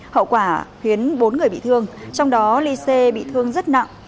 hậu quả khiến bốn người bị thương trong đó lise bị thương rất nặng